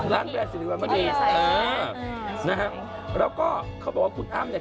แล้วก็เคาบอกว่าคุณอ้ำเนี่ย